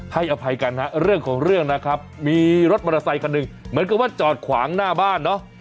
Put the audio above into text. อภัยกันฮะเรื่องของเรื่องนะครับมีรถมอเตอร์ไซคันหนึ่งเหมือนกับว่าจอดขวางหน้าบ้านเนาะ